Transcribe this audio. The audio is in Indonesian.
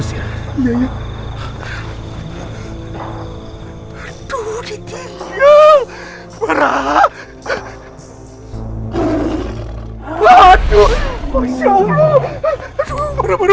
hai hai hai tunitnya para